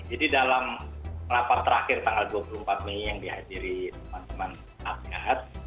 jadi dalam lapor terakhir tanggal dua puluh empat mei yang dihadiri pak suman atgad